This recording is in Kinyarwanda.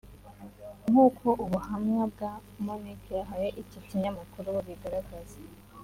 nk’uko ubuhamya bwa Monique yahaye iki kinyamakuru bubigaragaza